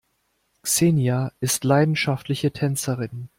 Xenia ist leidenschaftliche Tänzerin.